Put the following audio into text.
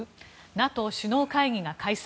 ＮＡＴＯ首脳会議が開催。